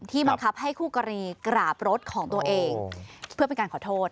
บังคับให้คู่กรณีกราบรถของตัวเองเพื่อเป็นการขอโทษ